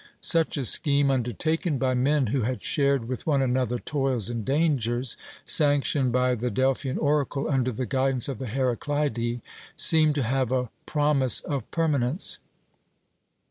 Such a scheme, undertaken by men who had shared with one another toils and dangers, sanctioned by the Delphian oracle, under the guidance of the Heraclidae, seemed to have a promise of permanence.